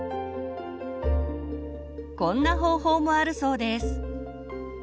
こんな方法もあるそうです。